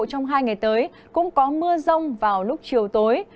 trong hai ngày tới cũng có mưa rông vào lúc chiều tối